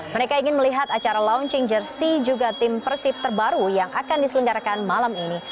mereka ingin melihat acara launching jersey juga tim persib terbaru yang akan diselenggarakan malam ini